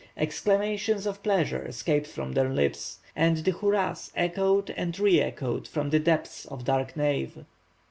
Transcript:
Exclamations of pleasure escaped from their lips, and the hurrahs echoed and reechoed from the depths of the dark nave.